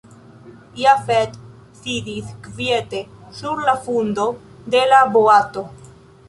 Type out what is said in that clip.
Jafet sidis kviete sur la fundo de la boato.